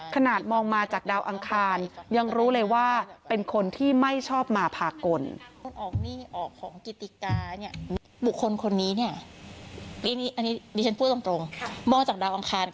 ขนาดมองมาจากดาวอังคาร